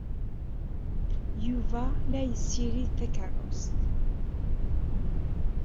Yuba la yessirid takeṛṛust.